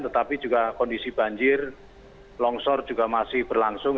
tetapi juga kondisi banjir longsor juga masih berlangsung